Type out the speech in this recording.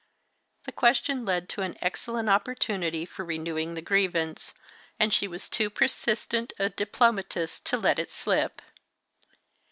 The question led to an excellent opportunity for renewing the grievance, and she was too persistent a diplomatist to let it slip.